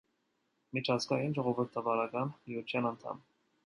Միջազգային ժողովրդավարական միության անդամ է։